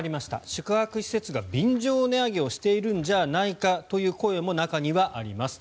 宿泊施設が便乗値上げをしているんじゃないかという声も中にはあります。